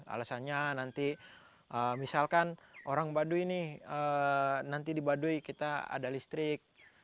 alasannya nanti misalkan orang baduy ini nanti di baduy kita ada listrik